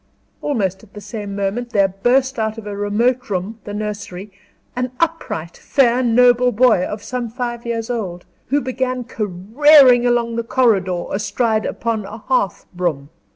Almost at the same moment there burst out of a remote room the nursery an upright, fair, noble boy, of some five years old, who began careering along on the corridor, astride upon a hearth broom.